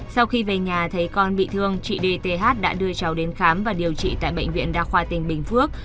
sau khi về nhà thấy con bị thương chị dth đã đưa cháu đến khám và điều trị tại bệnh viện đa khoa tỉnh bình phước